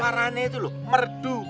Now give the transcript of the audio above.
suaraannya itu loh merdu